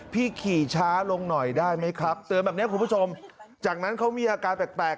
พี่ขี่ช้าลงหน่อยได้ไหมครับเตือนแบบนี้คุณผู้ชมจากนั้นเขามีอาการแปลก